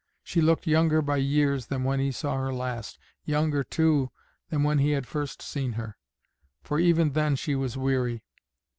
She looked younger by years than when he saw her last younger, too, than when he had first seen her, for even then she was weary.